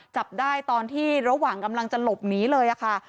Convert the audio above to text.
จับได้ตอนที่ระหว่างกำลังจะหลบหนีเลยค่ะ